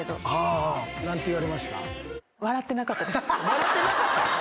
笑ってなかった！？